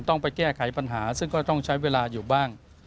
ต้องไปแก้ไขปัญหาซึ่งก็ต้องใช้เวลาอยู่บ้าง